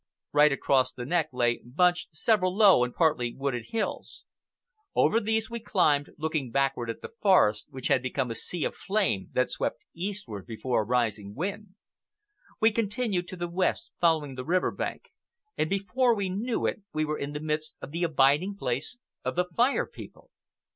Right across the neck lay bunched several low and partly wooded hills. Over these we climbed, looking backward at the forest which had become a sea of flame that swept eastward before a rising wind. We continued to the west, following the river bank, and before we knew it we were in the midst of the abiding place of the Fire People.